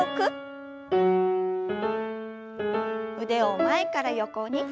腕を前から横に。